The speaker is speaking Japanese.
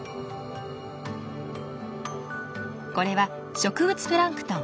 これは植物プランクトン。